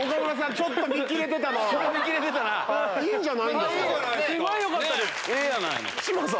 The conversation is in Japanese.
ちょっと見切れてたな。